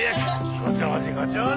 ご長寿ご長寿。